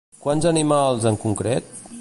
Quins animals, en concret?